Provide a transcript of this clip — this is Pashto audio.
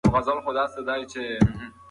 اګوست کُنت پخوا دا علم تعریف کړ.